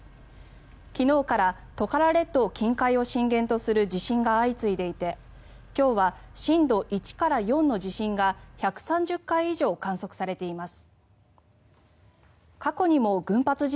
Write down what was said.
昨日からトカラ列島近海を震源とする地震が相次いでいて今日は震度１から４の地震が１３０回以上観測されています。